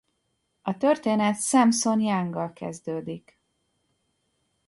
A történet Samson Younggal kezdődik.